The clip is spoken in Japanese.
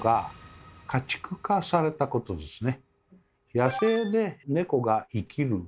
野生で猫が生きる場合